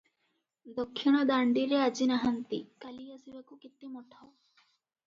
ଦକ୍ଷିଣ ଦାଣ୍ଡିରେ ଆଜି ନାହାନ୍ତି, କାଲି ଆସିବାକୁ କେତେ ମଠ?